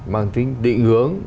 mang tính định hướng